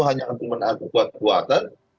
hanya untuk menahan kekuatan